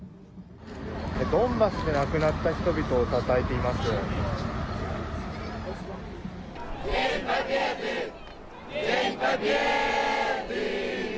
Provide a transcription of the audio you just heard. ドンバスで亡くなった人をたたえています。